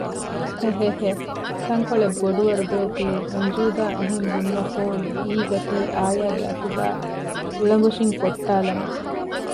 ހެހެހެ ތަންކޮޅެއް ބޮޑުވަރު ދޯ ތީ އަންޖޫދާ އެހެން ބުނުމަށްފަހު ހީގަތީ އާޔާގެ އަތުގައި އުޅަނބޮށިން ކޮށްޓާލަމުން